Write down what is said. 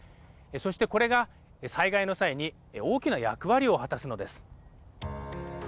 そしてこれが、災害の際に大きな役割を果たすのです。